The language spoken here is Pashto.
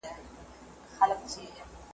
یو ناڅاپه یو ماشوم راغی له پاسه ,